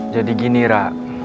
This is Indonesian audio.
jadi gini ra